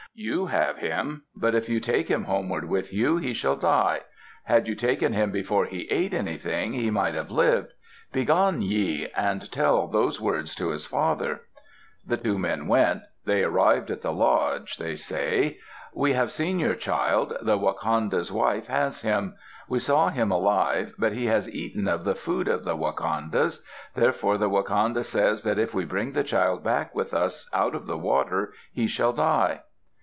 "You have him; but if you take him homeward with you, he shall die. Had you taken him before he ate anything, he might have lived. Begone ye, and tell those words to his father." The two men went. They arrived at the lodge, they say. "We have seen your child; the wakanda's wife has him. We saw him alive, but he has eaten of the food of the wakandas. Therefore the wakanda says that if we bring the child back with us out of the water, he shall die."